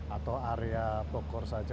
atau area pokor saja